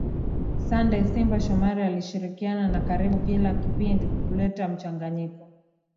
Sunday Simba Shomari alishirikiana na karibu kila kipindi kuleta mchangayiko